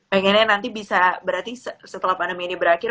pengennya nanti bisa berarti setelah pandemi ini berakhir